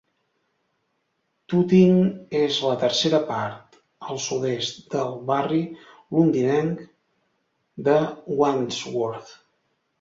Tooting és la tercera part al sud-est del barri londinenc de Wandsworth.